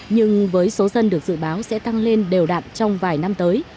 nhưng với số dân được dự báo sẽ tăng lên đều đạn trong vài năm tới